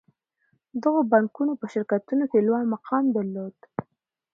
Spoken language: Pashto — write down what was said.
دغو بانکونو په شرکتونو کې لوړ مقام درلود